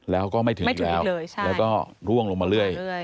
แล้วก็ไม่ถึงอีกแล้วแล้วก็ร่วงลงมาเรื่อย